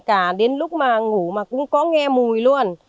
cả đến lúc mà ngủ mà cũng có nghe mùi luôn